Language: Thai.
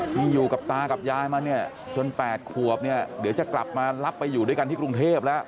ที่อยู่กับตากับยายมาเนี่ยจน๘ขวบเนี่ยเดี๋ยวจะกลับมารับไปอยู่ด้วยกันที่กรุงเทพแล้ว